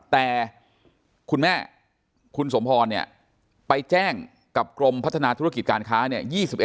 แต่คุณแม่คุณสมพรเนี่ยไปแจ้งกับกรมพัฒนาธุรกิจการค้าเนี่ย